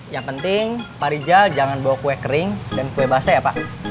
yang penting pak rijal jangan bawa kue kering dan kue basah ya pak